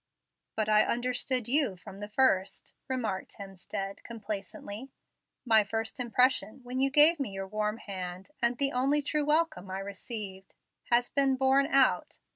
"But I understood you from the first," remarked Hemstead, complacently. "My first impression when you gave me your warm hand, and the only true welcome I received, has been borne out.